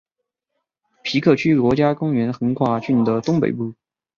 皮克区国家公园横跨郡的东北部。